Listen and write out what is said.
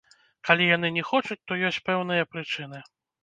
Калі яны не хочуць, то ёсць пэўныя прычыны.